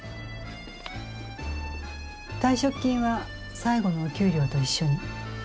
退職金は最後のお給料と一緒に。